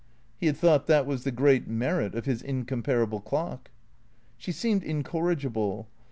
He had thought that was the great merit of his incomparable clock. She seemed incorrigible.